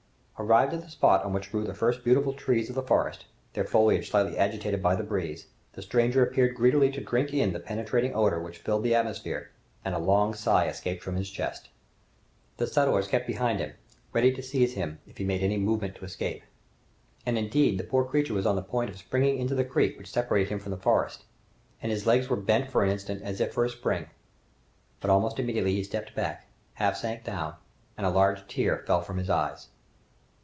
Arrived at the spot on which grew the first beautiful trees of the forest, their foliage slightly agitated by the breeze, the stranger appeared greedily to drink in the penetrating odor which filled the atmosphere, and a long sigh escaped from his chest. The settlers kept behind him, ready to seize him if he made any movement to escape! And, indeed, the poor creature was on the point of springing into the creek which separated him from the forest, and his legs were bent for an instant as if for a spring, but almost immediately he stepped back, half sank down, and a large tear fell from his eyes.